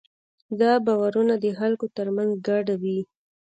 دا باورونه د خلکو ترمنځ ګډ وي.